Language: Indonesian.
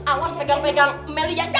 awas pegang pegang meli ya